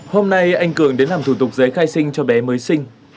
hôm nay anh cường đến làm thủ tục giấy khai sinh cho bé mới sinh